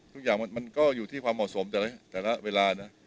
ทุกอย่างมันอยู่ทีความผสมแต่ละแต่ละเวลานะ